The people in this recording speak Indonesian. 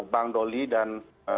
bang doli dan